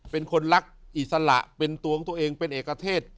เป็นคนรักอิสระเป็นตัวของตัวเองเป็นเอกเทศ